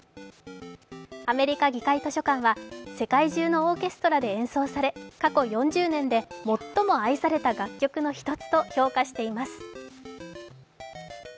アメリカ議会図書館は、世界中のオーケストラで演奏され過去４０年で最も愛された楽曲の１つと評価しています。